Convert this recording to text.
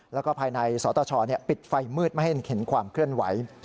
แล้วก็ภายในสตชปิดไฟมืดไม่ให้เห็นความเคลื่อนไหว